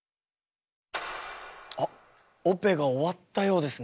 あっオペが終わったようですね。